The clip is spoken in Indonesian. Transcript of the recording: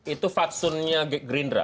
itu faksunnya gerindra